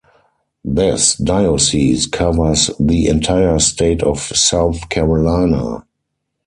This diocese covers the entire state of South Carolina.